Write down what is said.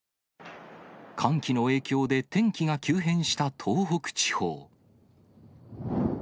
寒気の影響で天気が急変した東北地方。